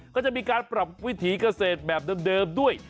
ก็จะมีการปรับวิถีเกษตรแบบเดิมด้วย